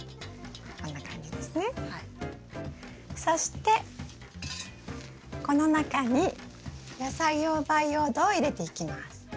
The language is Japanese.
そしてこの中に野菜用培養土を入れていきます。